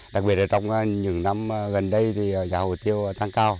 đặc biệt là trong những năm gần đây thì giá hồ tiêu tăng cao